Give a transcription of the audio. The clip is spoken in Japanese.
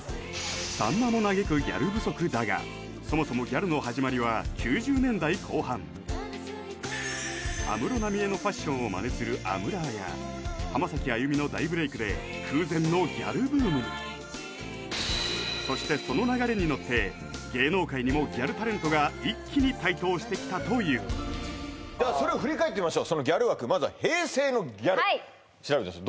さんまも嘆くギャル不足だがそもそも安室奈美恵のファッションをマネするアムラーや浜崎あゆみの大ブレイクで空前のギャルブームにそしてその流れにのって芸能界にもギャルタレントが一気に台頭してきたというではそれを振り返ってみましょうそのギャル枠まずは平成のギャル調べてみました